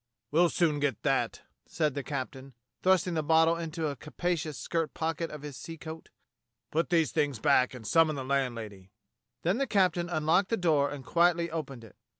"We'll soon get that," said the captain, thrusting the bottle into the capacious skirt pocket of his sea coat. "Put these things back, and summon the landlady." Then the captain unlocked the door and quietly opened it.